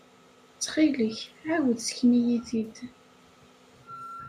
Ttxil-k, ɛawed ssken-iyi-t-id.